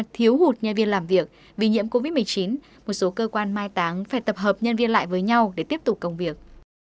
thiếu hụt nhân viên làm việc vì nhiễm covid một mươi chín một số cơ quan mai táng phải tập hợp nhân viên lại với nhau để tiếp tục công việc